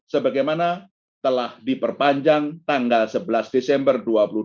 sebagaimana telah diperpanjang tanggal sebelas desember dua ribu dua puluh